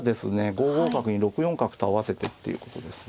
５五角に６四角と合わせてっていうことですね。